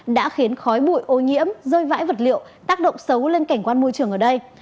đã khiến khói bụi ô nhiễm rơi vãi vật liệu tác động xấu lên cảnh quan môi trường ở đây